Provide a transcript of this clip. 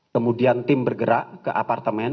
kemudian tim bergerak ke apartemen